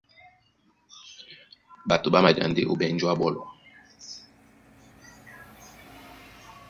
Ɓato ɓá maja ndé ó mbenju a ɓɔ́lɔ.